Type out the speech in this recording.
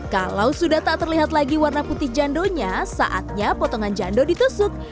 kalau sudah tak terlihat lagi warna putih jandonya saatnya potongan jando ditusuk